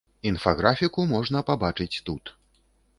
Інфаграфіку можна пабачыць тут.